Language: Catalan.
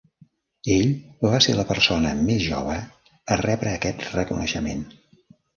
Ell va ser la persona més jove a rebre aquest reconeixement.